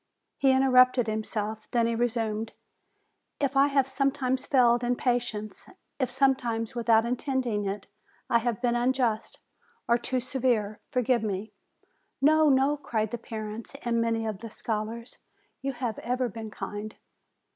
He interrupted himself, then he resumed: "If I have sometimes failed in patience, if sometimes, with out intending it, I have been unjust, or too severe, forgive me." "No, no!" cried the parents and many of the scholars, "You have ever been kind!"